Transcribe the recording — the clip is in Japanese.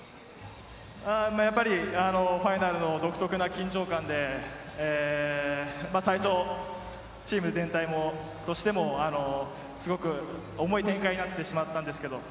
やっぱりファイナルの独特な緊張感で最初、チーム全体としても重い展開になってしまったんですけれども、